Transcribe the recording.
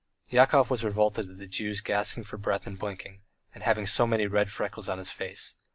Yakov was revolted at the Jew's gasping for breath and blinking, and having so many red freckles on his face.